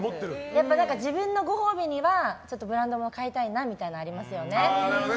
やっぱり自分のご褒美にはブランドもの買いたいなみたいなのがありますよね。